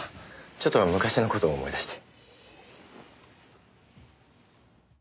ちょっと昔の事を思い出して。